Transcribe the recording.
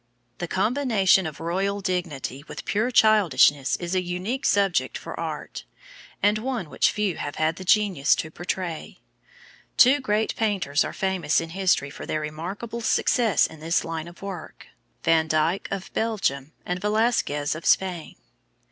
The combination of royal dignity with pure childishness is a unique subject for art, and one which few have had the genius to portray. Two great painters are famous in history for their remarkable success in this line of work, Van Dyck, of Belgium, and Velasquez, of Spain.